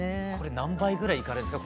何杯ぐらいいかれるんですか？